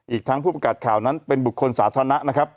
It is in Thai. อีกทั้งผู้ประกาศข่าวนั้นเป็นบุคคลสาธารณะนะครับ